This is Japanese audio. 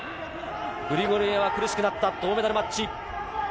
グリゴルイエワ苦しくなった、銅メダルマッチ。